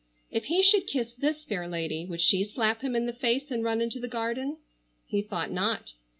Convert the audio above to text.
If he should kiss this fair lady would she slap him in the face and run into the garden? He thought not.